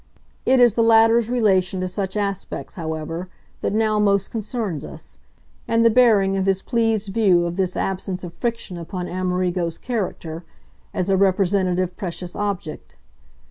It is the latter's relation to such aspects, however, that now most concerns us, and the bearing of his pleased view of this absence of friction upon Amerigo's character as a representative precious object.